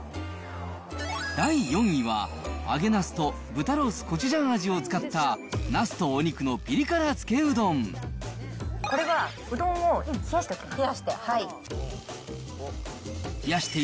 第４位は、揚げなすと豚ロースコチュジャン味を使った、なすとお肉のピリ辛これはうどんを冷やしておき冷やして。